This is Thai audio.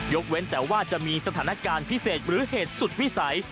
เว้นแต่ว่าจะมีสถานการณ์พิเศษหรือเหตุสุดวิสัย